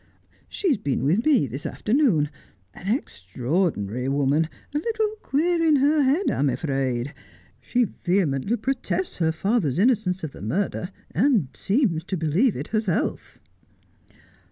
' She has been with me this afternoon — an extraordinary woman, a little queer in her head, I'm afraid. She vehemently protests her father's innocence df the murder, and seems to believe it herself.'